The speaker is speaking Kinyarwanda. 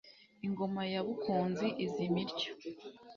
Ingoma ya Bukunzi izima ityo.